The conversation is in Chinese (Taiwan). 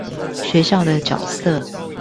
學校的角色